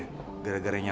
eh malah kena apesnya